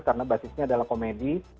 karena basisnya adalah komedi